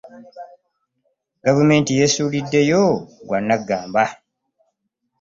Gavumenti yeesuuliddeyo gwa naggamba.